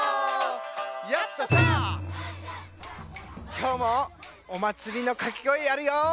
きょうもお祭りのかけごえやるよ！